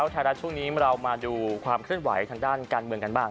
ไทยรัฐช่วงนี้เรามาดูความเคลื่อนไหวทางด้านการเมืองกันบ้าง